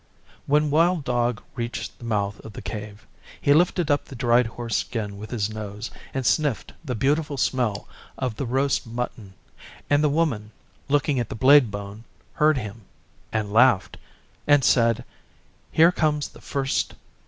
When Wild Dog reached the mouth of the Cave he lifted up the dried horse skin with his nose and sniffed the beautiful smell of the roast mutton, and the Woman, looking at the blade bone, heard him, and laughed, and said, 'Here comes the first.